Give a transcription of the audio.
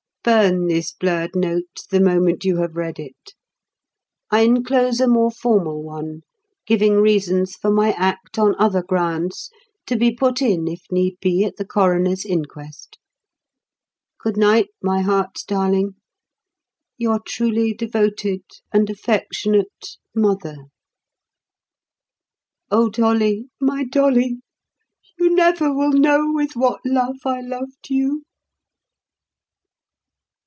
"Burn this blurred note the moment you have read it. I enclose a more formal one, giving reasons for my act on other grounds, to be put in, if need be, at the coroner's inquest. Good night, my heart's darling. Your truly devoted and affectionate MOTHER. "Oh, Dolly, my Dolly, you never will know with what love I loved you."